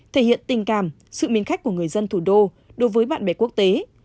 thể hiện tình cảm sự mến khách của người dân thủ đô đối với bạn bè quốc tế